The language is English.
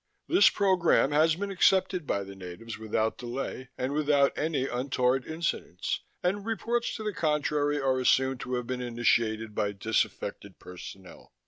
This program has been accepted by the natives without delay and without any untoward incidents, and reports to the contrary are assumed to have been initiated by disaffected personnel.